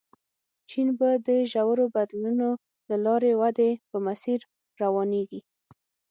چین به د ژورو بدلونونو له لارې ودې په مسیر روانېږي.